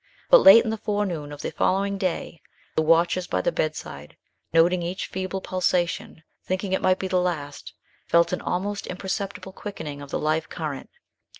But late in the forenoon of the following day the watchers by the bedside, noting each feeble pulsation, thinking it might be the last, felt an almost imperceptible quickening of the life current.